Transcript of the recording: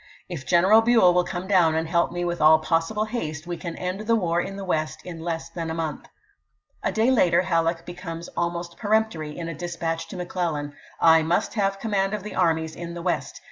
" If General Buell will come down and help me with all possible haste we can end the war in the West in less than a month." A day later Halleck becomes almost peremptory in a dispatch to Mc Clellan : "I must have command of the armies in the West.